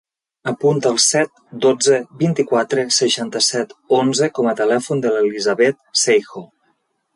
Apunta el set, dotze, vint-i-quatre, seixanta-set, onze com a telèfon de l'Elisabeth Seijo.